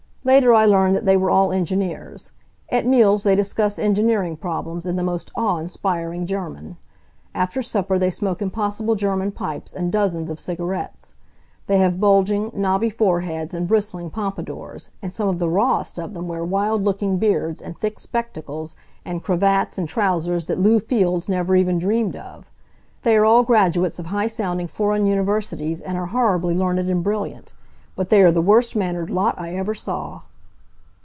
Later I learned that they were all engineers. At meals they discuss engineering problems in the most awe inspiring German. After supper they smoke impossible German pipes and dozens of cigarettes. They have bulging, knobby foreheads and bristling pompadours, and some of the rawest of them wear wild looking beards, and thick spectacles, and cravats and trousers that Lew Fields never even dreamed of. They are all graduates of high sounding foreign universities and are horribly learned and brilliant, but they are the worst mannered lot I ever saw.